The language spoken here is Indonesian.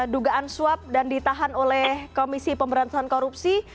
dugaan suap dan ditahan oleh komisi pemberantasan korupsi